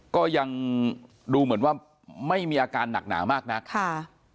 ก็ยังดูเหมือนว่าไม่มีอาการหนักหนามากนักค่ะ